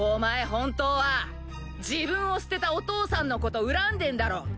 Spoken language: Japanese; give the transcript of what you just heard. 本当は自分を捨てたお父さんのこと恨んでんだろ。